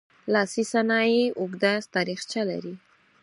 لاسي صنایع اوږده تاریخچه لري.